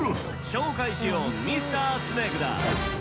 紹介しようミスタースネークだ。